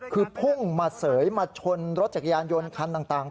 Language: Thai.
คือพุ่งมาเสยมาชนรถจักรยานยนต์คันต่าง